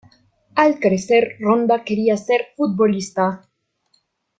Al crecer, Ronda quería ser futbolista.